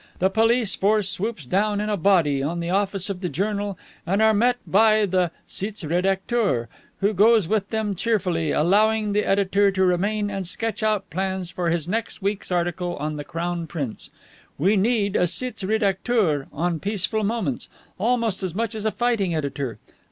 The police force swoops down in a body on the office of the journal, and are met by the sitz redacteur, who goes with them cheerfully, allowing the editor to remain and sketch out plans for his next week's article on the Crown Prince. We need a sitz redacteur on Peaceful Moments almost as much as a fighting editor.